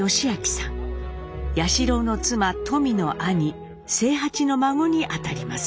彌四郎の妻トミの兄清八の孫にあたります。